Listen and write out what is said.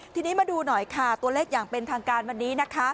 ทีนี้มาดูหน่อยค่ะตัวเลขอย่างเป็นทางการวันนี้นะคะ